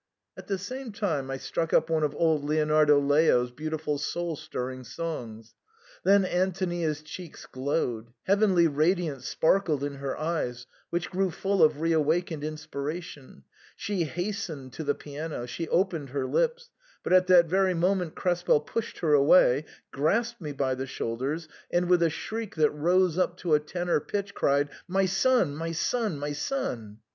" At the same time I struck up one of old Leonardo Leo's " beautiful soul* stirring songs. Then Antonia's cheeks glowed ; heav* enly radiance sparkled in her eyes, which grew full of reawakened inspiration ; she hastened to the piano ; she opened her lips ; but at that very moment Krespel pushed her away, grasped me by the shoulders^ and with a shriek that rose up to a tenor pitch, cried, " My son — my son — my son